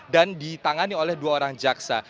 dan ditangani oleh dua orang jaksa